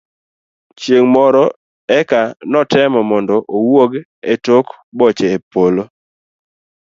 chieng' koro eka netemo mondo owuog e tok boche e polo